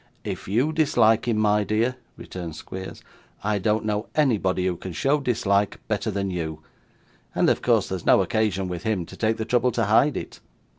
'If you dislike him, my dear,' returned Squeers, 'I don't know anybody who can show dislike better than you, and of course there's no occasion, with him, to take the trouble to hide it.